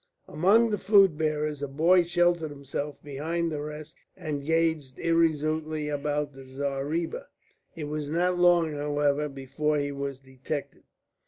Among the food bearers a boy sheltered himself behind the rest and gazed irresolutely about the zareeba. It was not long, however, before he was detected.